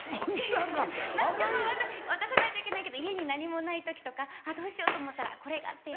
渡さないといけないけど家に何もない時とかあっどうしようと思ったらこれがっていう。